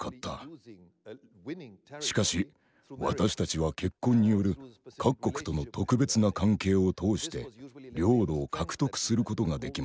しかし私たちは結婚による各国との特別な関係を通して領土を獲得することができました。